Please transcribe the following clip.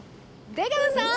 出川さん！